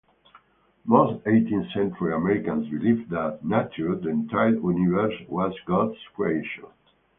Most eighteenth-century Americans believed that nature, the entire universe, was God's creation.